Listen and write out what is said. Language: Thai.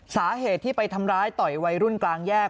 สาเหตุที่ไปทำร้ายต่อยวัยรุ่นกลางแยก